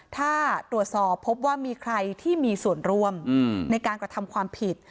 ถ้าตรวจสอบพบว่ามีใครที่มีส่วนร่วมในการกระทำความผิด